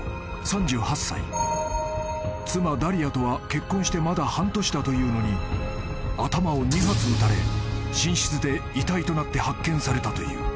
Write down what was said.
［妻ダリアとは結婚してまだ半年だというのに頭を２発撃たれ寝室で遺体となって発見されたという］